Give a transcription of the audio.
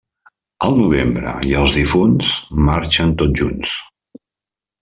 El novembre i els difunts marxen tots junts.